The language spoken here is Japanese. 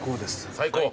最高？